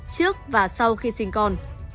trước và sau khi sinh con